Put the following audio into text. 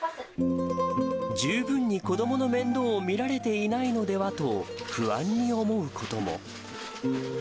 十分に子どもの面倒を見られていないのではと、不安に思うことも。